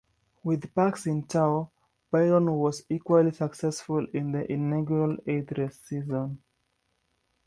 With Parks in tow, Byron was equally successful in the inaugural eight-race season.